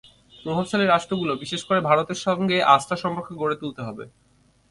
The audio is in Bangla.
প্রভাবশালী রাষ্ট্রগুলো, বিশেষ করে ভারতের সঙ্গে আস্থার সম্পর্ক গড়ে তুলতে হবে।